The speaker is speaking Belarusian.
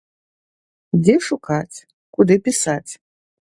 Дзе шукаць, куды пісаць.